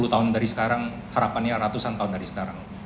sepuluh tahun dari sekarang harapannya ratusan tahun dari sekarang